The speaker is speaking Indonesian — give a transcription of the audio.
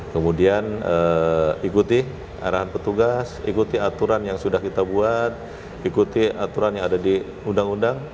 kemudian ikuti arahan petugas ikuti aturan yang sudah kita buat ikuti aturan yang ada di undang undang